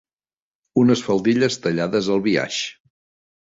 Unes faldilles tallades al biaix.